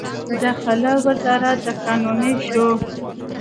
داخله وزارت د قانوني شو.